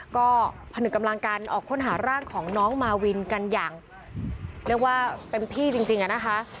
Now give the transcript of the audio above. ก็ผนึกกำลังกันออกค้นหาร่างของน้องมาวินกันอย่างเรียกว่าเต็มที่จริงอะนะคะ